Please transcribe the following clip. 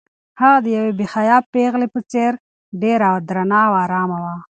هغه د یوې باحیا پېغلې په څېر ډېره درنه او ارامه وه.